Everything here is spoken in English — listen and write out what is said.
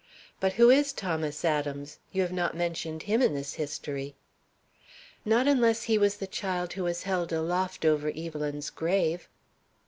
But who is Thomas Adams? You have not mentioned him in this history." "Not unless he was the child who was held aloft over Evelyn's grave."